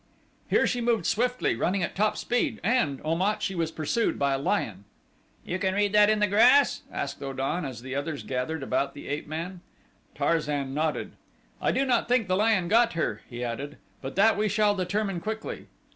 "Here she moved swiftly, running at top speed, and, Om at, she was pursued by a lion." "You can read that in the grass?" asked O dan as the others gathered about the ape man. Tarzan nodded. "I do not think the lion got her," he added; "but that we shall determine quickly.